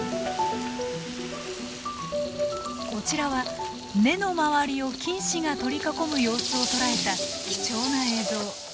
こちらは根の周りを菌糸が取り囲む様子を捉えた貴重な映像。